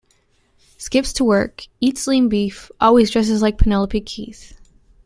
Skips to work, eats lean beef, always dresses like Penelope Keith.